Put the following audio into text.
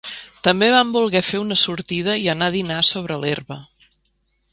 També van volguer fer una sortida i anar a dinar sobre l'herba